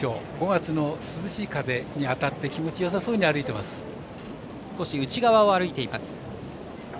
５月の涼しい風に当たって気持ちよさそうに少し内側を歩いています。